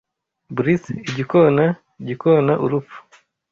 Blithe igikona gikona urupfu